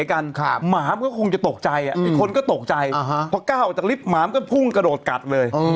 มันคือกาวออกจากลิฟต์หมาก็พุ่งกระโดดกัดเลย